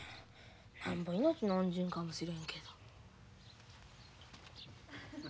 なんぼ命の恩人かもしれへんけど。